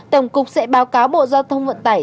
tổng cục sẽ báo cáo bộ giao thông vận tải